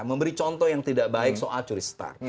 memberi contoh yang tidak baik soal curi start